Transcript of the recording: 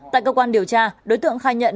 tại cơ quan điều tra đối tượng khai nhận